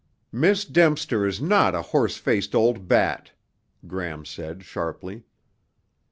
"Miss Dempster is not a horse faced old bat!" Gram said sharply.